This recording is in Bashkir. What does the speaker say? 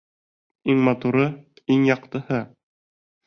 — Иң матуры, иң яҡтыһы.